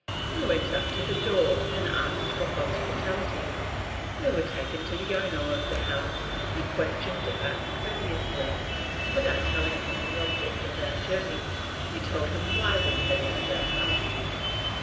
We went up to the door and asked for hospitality. We were taken to the owner of the house, who questioned us courteously; without telling him the object of our journey, we told him why we had left our path.